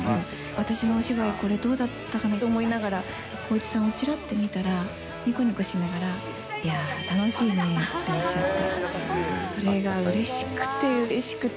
私のお芝居、これ、どうだったかなって思いながら、浩市さんをちらっと見たら、にこにこしながら、いやぁ、楽しいねっておっしゃって、それがうれしくてうれしくて。